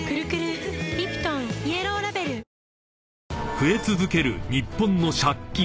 ［増え続ける日本の借金。